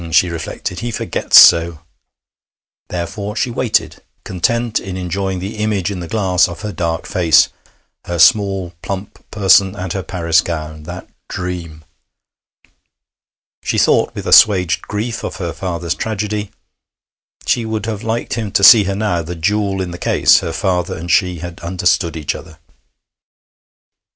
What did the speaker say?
she reflected, 'he forgets so.' Therefore she waited, content in enjoying the image in the glass of her dark face, her small plump person, and her Paris gown that dream! She thought with assuaged grief of her father's tragedy; she would have liked him to see her now, the jewel in the case her father and she had understood each other.